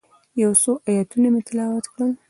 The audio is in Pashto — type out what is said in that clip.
یو څو آیتونه مې تلاوت کړل.